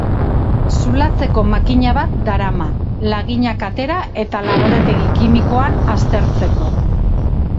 Zulatzeko makina bat darama, laginak atera eta laborategi kimikoan aztertzeko.